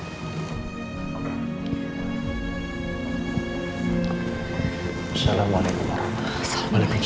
assalamualaikum warahmatullahi wabarakatuh